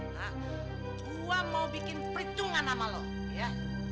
gue mau bikin pericungan sama lo ya